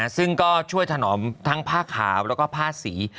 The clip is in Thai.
ซึ่งก็ช่วยถนอมทั้งผ้าขาวแล้วก็ผ้าสี